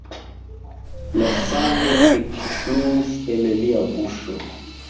La sango ekfluis el lia buŝo.